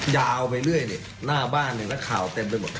ยาวไปเรื่อยเนี่ยหน้าบ้านเนี่ยนักข่าวเต็มไปหมด